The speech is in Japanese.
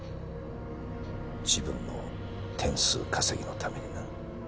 自分の点数稼ぎのためにな。